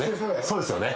そうですよね。